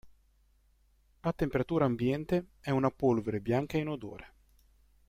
A temperatura ambiente, è una polvere bianca inodore.